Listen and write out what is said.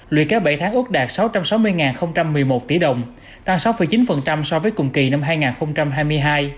luyện kế bảy tháng ước đạt sáu trăm sáu mươi một mươi một tỷ đồng tăng sáu chín so với cùng kỳ năm hai nghìn hai mươi hai